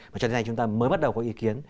và cho đến nay chúng ta mới bắt đầu có ý kiến